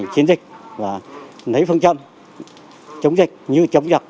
chiến dịch và lấy phương chân chống dịch như chống nhập